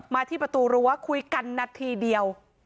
ที่ประตูรั้วคุยกันนาทีเดียว